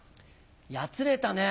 やつれたね。